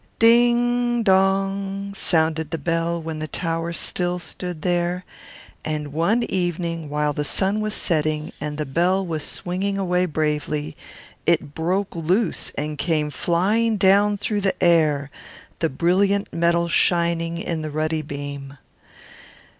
ding dong!" sounded the Bell, when the tower still stood there; and one evening, while the sun was setting, and the Bell was swinging away bravely, it broke loose and came flying down through the air, the brilliant metal shining in the ruddy beam.